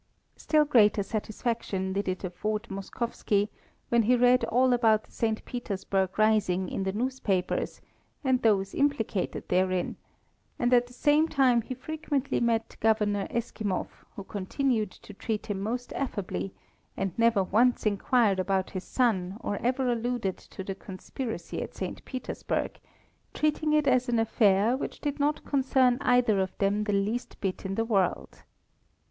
Still greater satisfaction did it afford Moskowski when he read all about the St. Petersburg rising in the newspapers and those implicated therein; and at the same time he frequently met Governor Eskimov, who continued to treat him most affably, and never once inquired about his son or ever alluded to the conspiracy at St. Petersburg, treating it as an affair which did not concern either of them the least bit in the world.